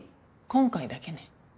今回だけね。